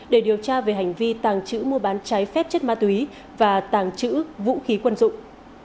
để điều tra về hành vi tàng trữ mua bán trái phép chất ma túy và tàng trữ vũ khí quân dụng